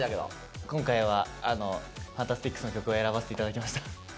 今回はあのうＦＡＮＴＡＳＴＩＣＳの曲を選ばせていただきました。